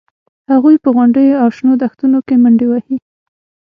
هغوی په غونډیو او شنو دښتونو کې منډې وهلې